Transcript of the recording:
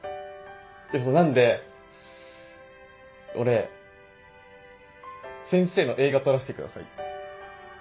なんで俺先生の映画撮らせてください。